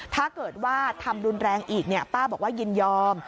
ถ้าเกิดว่าทำรุนแรงอีกป้าบอกว่ายินยอม